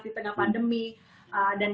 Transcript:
di tengah pandemi dan